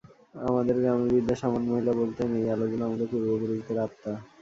আমাদের গ্রামের বৃদ্ধা শামান মহিলা বলতেন, এই আলোগুলো আমাদের পূর্বপুরুষদের আত্মা।